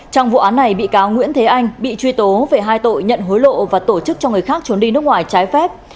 trong vụ án này bị cáo nguyễn thế anh bị truy tố về hai tội nhận hối lộ và tổ chức cho người khác trốn đi nước ngoài trái phép